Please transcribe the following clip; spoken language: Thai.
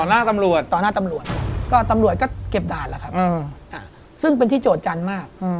หน้าตำรวจต่อหน้าตำรวจก็ตำรวจก็เก็บด่านแหละครับซึ่งเป็นที่โจทยจันทร์มาก